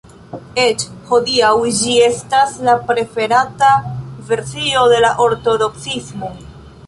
Eĉ hodiaŭ, ĝi estas la preferata versio de ortodoksismo.